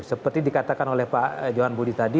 seperti dikatakan oleh pak johan budi tadi